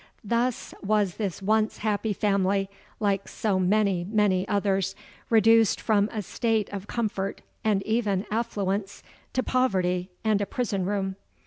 Thus was this once happy family—like so many, many others, reduced from a state of comfort, and even affluence, to poverty and a prison room.